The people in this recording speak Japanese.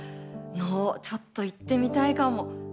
能ちょっと行ってみたいかも。